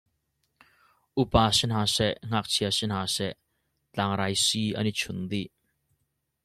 Upa si hna seh, ngakchia si hna seh, tlangrai si an i chun dih.